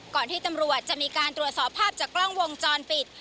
ที่ตำรวจจะมีการตรวจสอบภาพจากกล้องวงจรปิด